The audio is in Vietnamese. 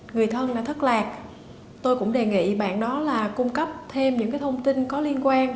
người thân đã thất lạc tôi cũng đề nghị bạn đó là cung cấp thêm những thông tin có liên quan